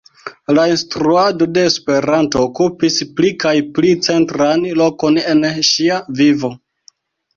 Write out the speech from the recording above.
La instruado de Esperanto okupis pli kaj pli centran lokon en ŝia vivo.